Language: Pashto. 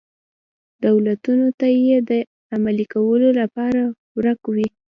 دولتونو ته یې د عملي کولو لپاره ورک وي.